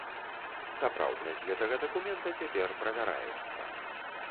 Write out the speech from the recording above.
Сапраўднасць гэтага дакумента цяпер правяраецца.